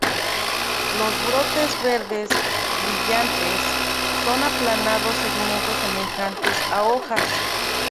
Los brotes verdes brillantes son aplanados segmentos semejantes a hojas.